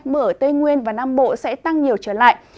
mưa ở tây nguyên và nam bộ sẽ tăng nhiều trở lại